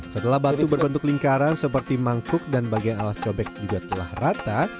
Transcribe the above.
setelah batu berbentuk lingkaran seperti mangkuk dan bagian alas cobek juga telah rata